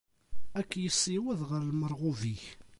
Ad k-issiweḍ ɣer lmerɣub-ik.